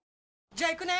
じゃあ行くね！